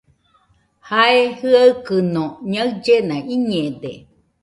Jae jɨaɨkɨno ñaɨllena iñede.